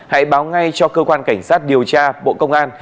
hãy báo ngay cho cơ quan cảnh sát điều tra bộ công an